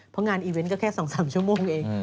เพราะงานอีเวนต์ก็แค่๒๓ชั่วโมงเอง